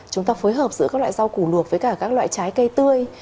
chúng ta phối hợp giữa các loại rau củ luộc với cả các loại trái cây tươi